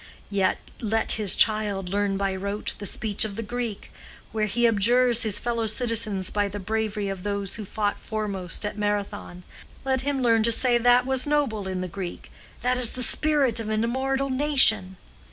Yet let his child learn by rote the speech of the Greek, where he abjures his fellow citizens by the bravery of those who fought foremost at Marathon—let him learn to say that was noble in the Greek, that is the spirit of an immortal nation!